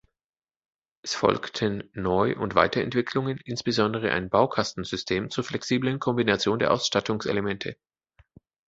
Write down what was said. Es folgten Neu- und Weiterentwicklungen, insbesondere ein Baukasten-System zur flexiblen Kombination der Ausstattungselemente.